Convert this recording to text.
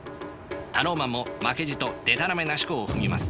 タローマンも負けじとでたらめなしこを踏みます。